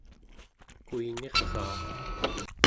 kuiniraa